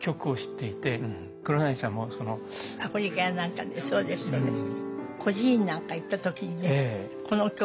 アフリカなんかでそうですそうです。